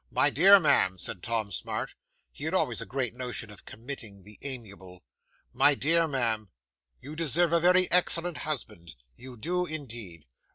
'"My dear ma'am," said Tom Smart he had always a great notion of committing the amiable "my dear ma'am, you deserve a very excellent husband you do indeed."